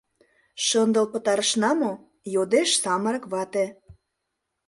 — Шындыл пытарышна мо? — йодеш самырык вате.